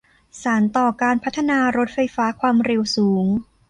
สานต่อการพัฒนารถไฟความเร็วสูง